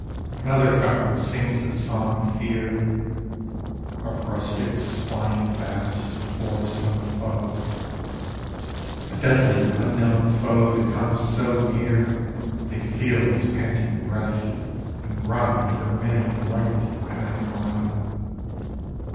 Another fountain sings its song of fear. Of rustics flying fast :ore some foe — A deadly unknown foe that comes so near They feel his panting breath A::J run for many a lengthy panic mile.